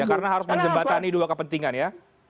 karena harus menjembatani dua kepentingan ya